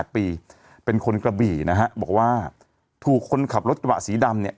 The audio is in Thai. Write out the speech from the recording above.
เป็นคนกระบี่นะฮะบอกว่าถูกคนขับรถกระบะสีดำเนี่ย